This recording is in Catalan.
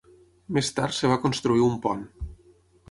Més tard es va construir un pont.